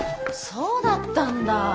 そうだったんだ。